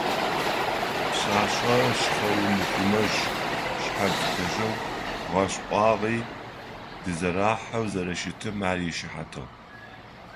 Пшъашъэр шъхъэухъумэжь-шъхьэлъытэжьэу, гъэшӏуагъи дызэрахьэу зэрэщытым ар ишыхьатыгъ.